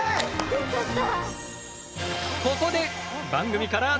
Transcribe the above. よかった。